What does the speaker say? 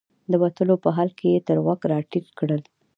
د وتلو په حال کې یې تر غوږ راټیټ کړل.